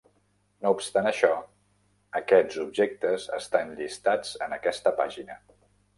No obstant això, aquests objectes estan llistats en aquesta pàgina.